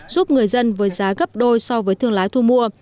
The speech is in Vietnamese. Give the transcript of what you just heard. giúp người dân với giá gấp đôi so với thương lái thu mua